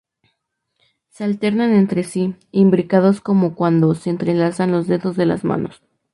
Se alternan entre sí, imbricados como cuando se entrelazan los dedos de las manos.